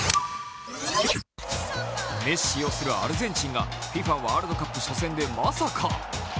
メッシ擁するアルゼンチンがＦＩＦＡワールドカップ初戦でまさか！